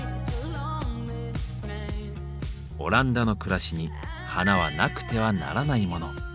オランダの暮らしに花はなくてはならないモノ。